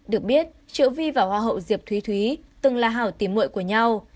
được biết triệu vi và hoa hậu diệp thúy thúy từng là hảo tìm mội của nhau